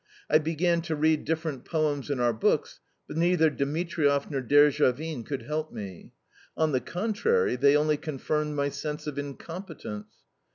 I began to read different poems in our books, but neither Dimitrieff nor Derzhavin could help me. On the contrary, they only confirmed my sense of incompetence.